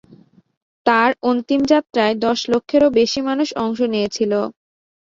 তাঁর অন্তিম যাত্রায় দশ লক্ষেরও বেশি মানুষ অংশ নিয়েছিল।